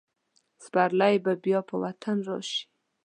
سپرلی به بیا په وطن راشي.